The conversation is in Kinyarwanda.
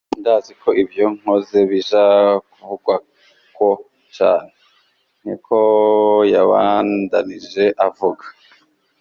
"Ndazi ko ivyo nkoze bija kuvugwako cane," niko yabandanije avuga.